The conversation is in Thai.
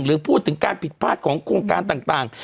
หรือพูดถึงการผิดพลาดของโครงการต่าง